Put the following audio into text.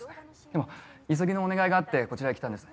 でも急ぎのお願いがあってこちらへ来たんです。